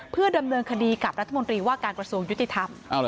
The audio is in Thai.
เพื่อดำเนินคดีกับรัฐมนตรีว่าการกระทรวงยุติธรรม